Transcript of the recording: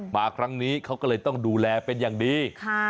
มาครั้งนี้เขาก็เลยต้องดูแลเป็นอย่างดี